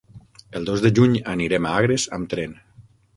El dos de juny anirem a Agres amb tren.